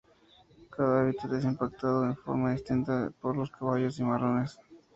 Cada hábitat es impactado en forma distinta por los caballos cimarrones.